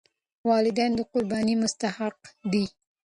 والدین د قربانۍ مستحق دي.